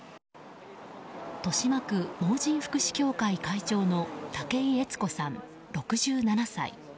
豊島区盲人福祉協会会長の武井悦子さん、６７歳。